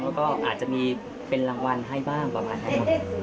แล้วก็อาจจะมีเป็นรางวัลให้บ้างประมาณนั้นครับ